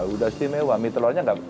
udah istimewa mie telurnya